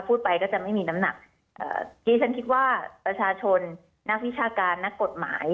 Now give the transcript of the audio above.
พูดไปก็จะไม่มีน้ำหนักที่ฉันคิดว่าประชาชนนักวิชาการนักกฎหมาย